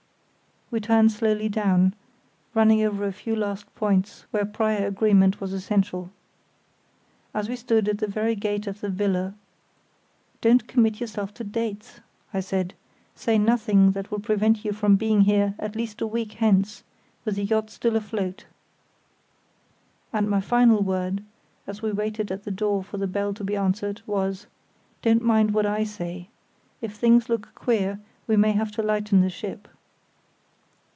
We turned slowly down, running over a few last points where prior agreement was essential. As we stood at the very gate of the villa: "Don't commit yourself to dates," I said; "say nothing that will prevent you from being here at least a week hence with the yacht still afloat." And my final word, as we waited at the door for the bell to be answered, was: "Don't mind what I say. If things look queer we may have to lighten the ship."